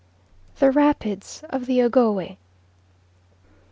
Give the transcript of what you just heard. THE RAPIDS OF THE OGOWE.